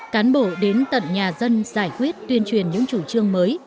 cán bộ đến tận nhà dân giải quyết tuyên truyền những chủ trương mới